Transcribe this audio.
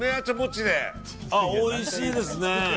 おいしいですね。